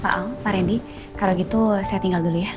pak alde pak randy kalau gitu saya tinggal dulu ya